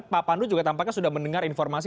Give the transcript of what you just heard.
pak pandu juga tampaknya sudah mendengar informasi